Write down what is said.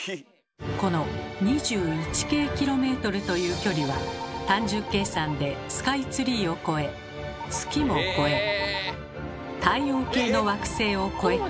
この２１京ｋｍという距離は単純計算でスカイツリーを超え月も超え太陽系の惑星を超えて。